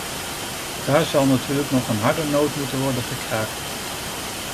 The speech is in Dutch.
Daar zal natuurlijk nog een harde noot moeten worden gekraakt.